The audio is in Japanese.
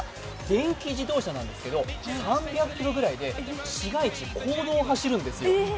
電気自動車なんですけど３００ｋｍぐらいで市街地・公道を走るんですよ。